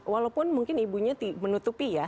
walaupun mungkin ibunya menutupi ya